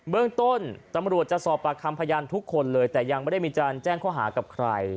เรื่องต้นตำรวจจะสอบปากคำพยานทุกคนเลยแต่ยังไม่ได้มีการแจ้งข้อหากับใคร